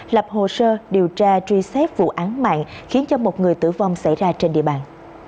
lập hồ sơ điều tra truy xét vụ án mạng khiến cho một người tử vong xảy ra trên địa bàn